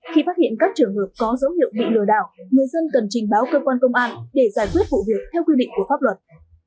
khi phát hiện các trường hợp có dấu hiệu bị lừa đảo người dân cần trình báo cơ quan công an để giải quyết vụ việc theo quy định của pháp luật